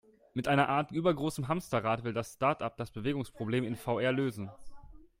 Mit einer Art übergroßem Hamsterrad, will das Startup das Bewegungsproblem in VR lösen.